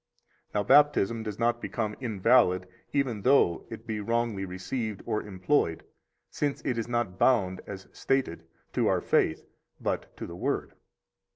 Now, Baptism does not become invalid even though it be wrongly received or employed; since it is not bound (as stated) to our faith, but to the Word.